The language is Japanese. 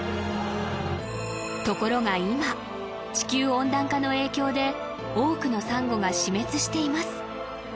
ところが今地球温暖化の影響で多くのサンゴが死滅しています